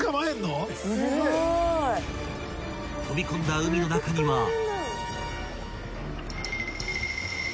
［飛び込んだ海の中には］